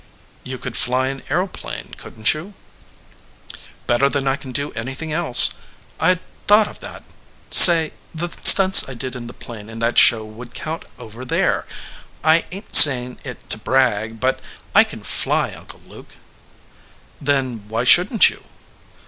"You could fly an aeroplane, couldn t you ?" "Better than I can do anything else. I d thought of that. Say, the stunts I did in the plane in that 177 EDGEWATER PEOPLE show would count over there ! I ain t saying it to brag, but I can fly, Uncle Luke." "Then why shouldn t you?"